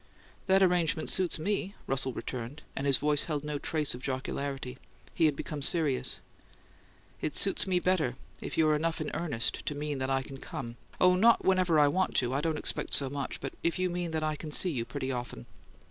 "That arrangement suits me," Russell returned, and his voice held no trace of jocularity: he had become serious. "It suits me better if you're enough in earnest to mean that I can come oh, not whenever I want to; I don't expect so much! but if you mean that I can see you pretty often."